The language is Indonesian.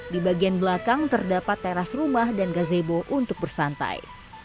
di bagian belakang terdapat teras rumah dan gazebo untuk bersantai